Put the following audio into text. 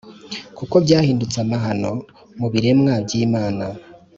kuko byahindutse amahano mu biremwa by’Imana,